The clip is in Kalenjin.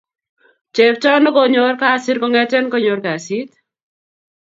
cheptoo ne konyor kasir kongeten koyor kasit